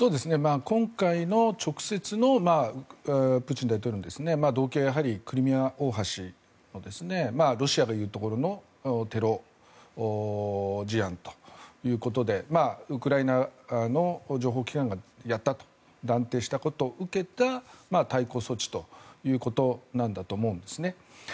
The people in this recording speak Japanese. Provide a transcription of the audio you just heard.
今回の直接のプーチン大統領の動機はクリミア大橋のロシアが言うところのテロ事案ということでウクライナの情報機関がやったと断定したことを受けた対抗措置ということなんだと思うんですね。